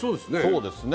そうですね。